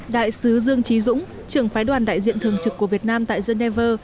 đại sứ dương trí dũng trưởng phái đoàn đại diện thường trực của việt nam tại geneva